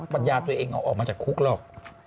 ปัญญาตัวเองเอาออกมาจากคุกหรอก